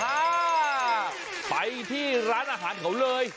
อ่าไปที่ร้านอาหารเขาเลย